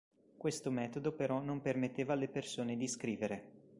Questo metodo però non permetteva alle persone di scrivere.